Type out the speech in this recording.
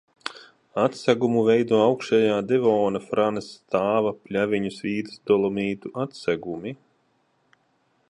Atsegumu veido augšējā devona Franas stāva Pļaviņu svītas dolomītu atsegumi.